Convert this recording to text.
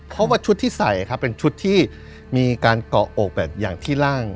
เพราะว่าชุดที่ใส่ครับเป็นชุดที่มีการเกาะอกแบบอย่างที่ร่าง